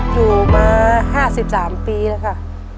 อยู่มา๕๓ปีแล้วค่ะ